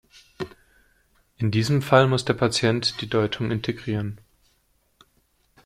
In diesem Fall muss der Patient die Deutung integrieren.